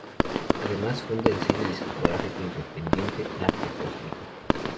Además, funda el sello discográfico independiente Lácteo Cósmico.